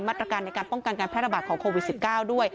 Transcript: มาตรการในการป้องกันการแพร่ระบาดของโควิด๑๙ด้วย